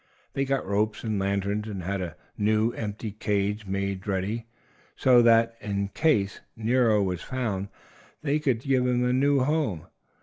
They got ropes and lanterns, and had a new, empty cage made ready, so that, in case Nero were found, he could be given a new home.